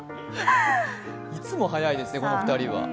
いつも早いですね、この２人は。